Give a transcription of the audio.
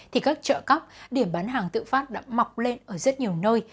thì các chợ cóc điểm bán hàng tự phát đã mọc lên ở rất nhiều nơi